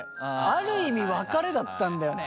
ある意味別れだったんだよね。